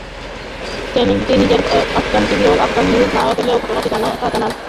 চ্যানেলটি নিজেই Afghan TV এবং আফগান নিউজ না হলেও এটি কেন ঘটেছিল তা অজানা।